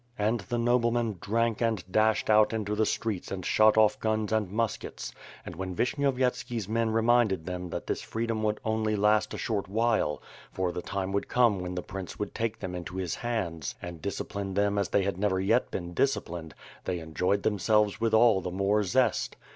,..," And the nobleman drank and dashed out into the streets and shot off guns and muskets; and when Vishnyovyetski's men, reminded them that this freedom would only last a short while; for the time would come when the prince would take them into his hands, and discipline them as they had never yet been disciplined, they enjoyed themselves with all the more zest.